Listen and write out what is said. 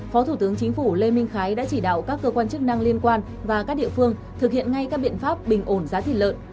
phó thủ tướng chính phủ lê minh khái đã chỉ đạo các cơ quan chức năng liên quan và các địa phương thực hiện ngay các biện pháp bình ổn giá thịt lợn